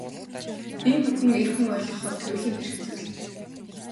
Энэ бүхэн эр хүн ойлгоход туйлын бэрх зүйл.